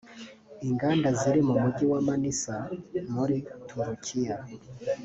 Inganda ziri mu mujyi wa Manissa muri Turukiya